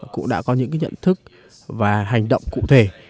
cũng đã có những nhận thức và hành động cụ thể